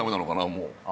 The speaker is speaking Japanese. もう。